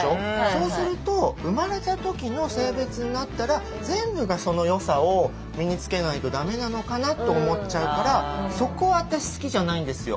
そうすると生まれた時の性別になったら全部がその良さを身につけないとダメなのかなと思っちゃうからそこ私好きじゃないんですよ。